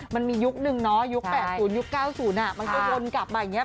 มันมียุคนึงเนาะยุค๘๐ยุค๙๐มันก็วนกลับมาอย่างนี้